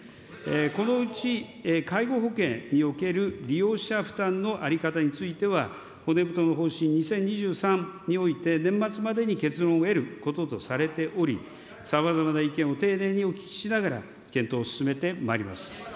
このうち、介護保険における利用者負担の在り方については、骨太の精神２０２３において年末までに結論を得ることとされており、さまざまな意見を丁寧にお聞きしながら、検討を進めてまいります。